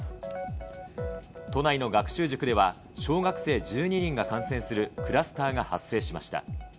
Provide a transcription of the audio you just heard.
都内の学習塾では、小学生１２人が感染するクラスターが発生しました。